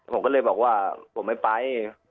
ผมก็เลยบอกว่าผมไม่ไป